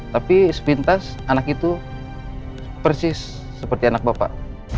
tapi sepintas anak itu persis seperti anak bapak